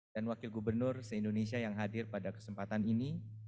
dan wakil gubernur se indonesia yang hadir pada kesempatan ini